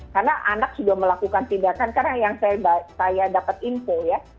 karena anak sudah melakukan tindakan karena yang saya dapat info ya